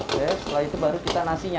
setelah itu baru kita nasinya